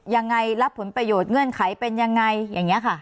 ยังไงรับผลประโยชน์เงื่อนไขเป็นยังไงอย่างนี้ค่ะ